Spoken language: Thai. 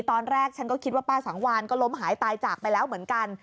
ตอนแรกฉันก็คิดว่าป้าสังวานก็ล้มหายตายจากไปแล้วเหมือนกัน